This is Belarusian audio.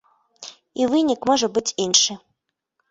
І вынік можа быць іншы.